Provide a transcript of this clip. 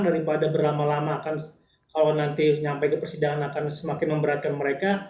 daripada berlama lama akan kalau nanti nyampe ke persidangan akan semakin memberatkan mereka